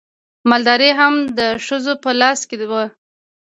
مالداري هم د ښځو په لاس کې وه.